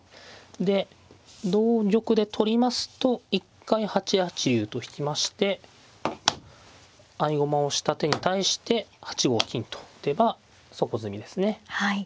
で同玉で取りますと一回８八竜と引きまして合駒をした手に対して８五金と打てば即詰みですね。